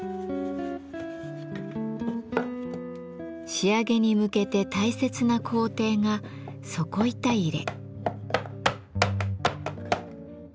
仕上げに向けて大切な工程が底板入れ。